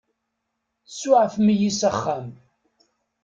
Tsuɛfem-iyi s axxam.